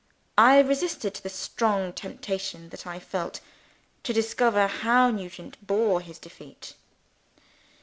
I resisted the strong temptation that I felt to discover how Nugent bore his defeat.